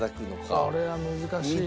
これは難しいね。